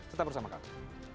tetap bersama kami